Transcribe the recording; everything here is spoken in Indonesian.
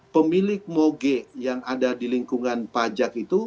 pemilik moge yang ada di lingkungan pajak itu